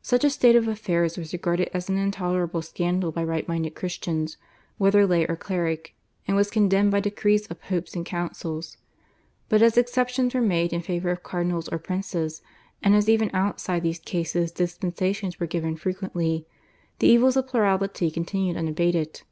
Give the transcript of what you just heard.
Such a state of affairs was regarded as an intolerable scandal by right minded Christians, whether lay or cleric, and was condemned by decrees of Popes and councils; but as exceptions were made in favour of cardinals or princes, and as even outside these cases dispensations were given frequently, the evils of plurality continued unabated.